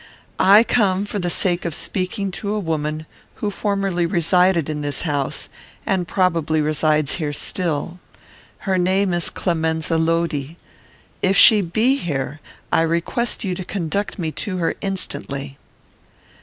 "I come for the sake of speaking to a woman who formerly resided in this house, and probably resides here still. Her name is Clemenza Lodi. If she be here, I request you to conduct me to her instantly."